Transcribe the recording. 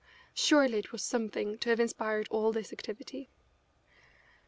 Surely it was something to have inspired all this activity.